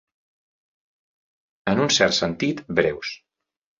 En un cert sentit, breus.